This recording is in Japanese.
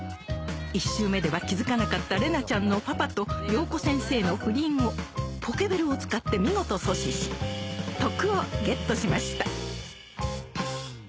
１周目では気付かなかった玲奈ちゃんのパパと洋子先生の不倫をポケベルを使って見事阻止し徳をゲットしました